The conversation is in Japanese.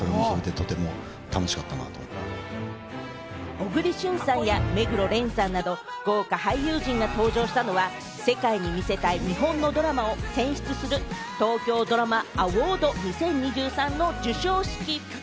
小栗旬さんや目黒蓮さんなど豪華俳優陣が登場したのは、世界に見せたい日本のドラマを選出する東京ドラマアウォード２０２３の授賞式。